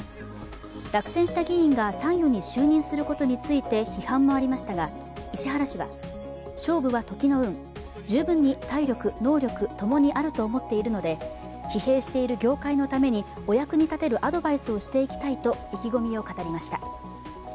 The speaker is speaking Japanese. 落選した議員が参与に就任することについて批判もありましたが、石原氏は、勝負は時の運十分に体力・能力共にあると思っているので、疲弊している業界のためにお役に立てるアドバイスをしていきたいと意気込みを語りました。